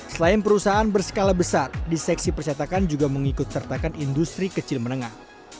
selain perusahaan berskala besar di seksi percetakan juga mengikut sertakan industri kecil menengah